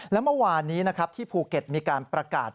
และเมื่อวานนี้นะครับที่ภูเก็ตมีการประกาศ